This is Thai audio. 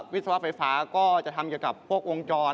วิศวะไฟฟ้าก็จะทำเกี่ยวกับพวกวงจร